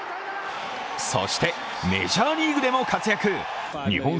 そしてメジャーリーグでも活躍。